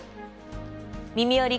「みみより！